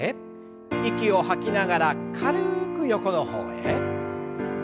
息を吐きながら軽く横の方へ。